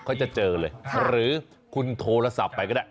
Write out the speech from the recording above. เขาจะเจอเลยหรือคุณโทรศัพท์ไปก็ได้